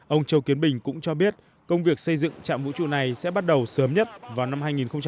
ông châu kiến bình cũng cho biết công việc xây dựng chạm vũ trụ này sẽ bắt đầu sớm nhất vào năm hai nghìn một mươi bảy